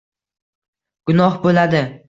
Gunoh bo‘ladi.